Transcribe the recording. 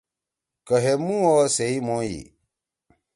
کہ ہے مُو او سے ئی موئی۔